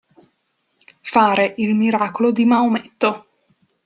Fare il miracolo di Maometto.